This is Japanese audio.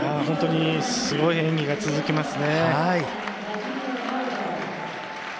本当にすごい演技が続きますね。